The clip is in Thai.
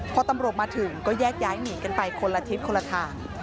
พอตำรวจมาถึงก็แยกย้ายหนีกันไปคนละทิศคนละทาง